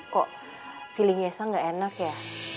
kok feelingnya gak enak ya